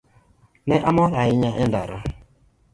Ne amor ahinya e ndara.